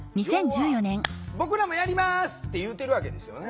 要は「僕らもやります」って言うてるわけですよね。